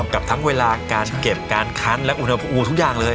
กับทั้งเวลาการเก็บการคั้นและอุณหภูมิทุกอย่างเลย